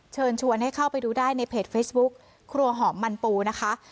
เชิญชวนให้เข้าไปดูได้ในเพจเฟซบุ๊คครัวหอมมันปูนะคะ